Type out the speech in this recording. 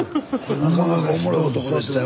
なかなかおもろい男でしたよ